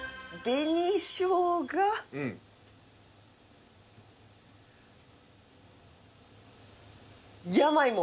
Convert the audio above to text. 紅しょうが山芋。